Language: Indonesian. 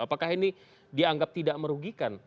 apakah ini dianggap tidak merugikan